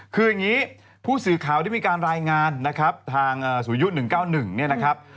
คืออย่างนี้ผู้สื่อข่าวได้มีการรายงานนะครับทางสุริยุ๑๙๑เนี่ยนะครับ